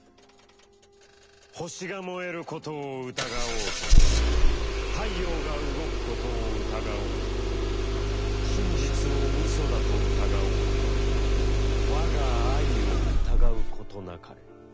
「星が燃えることを疑おうとも太陽が動くことを疑おうとも、真実を嘘だと疑おうとも、わが愛を疑うことなかれ。